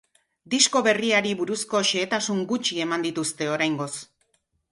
Disko berriari buruzko xehetasun gutxi eman dituzte oraingoz.